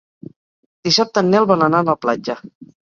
Dissabte en Nel vol anar a la platja.